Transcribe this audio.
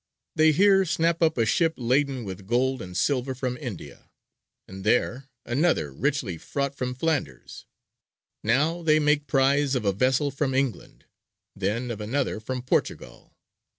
They here snap up a ship laden with gold and silver from India, and there another richly fraught from Flanders; now they make prize of a vessel from England, then of another from Portugal.